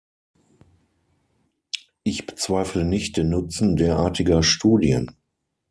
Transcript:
Ich bezweifle nicht den Nutzen derartiger Studien.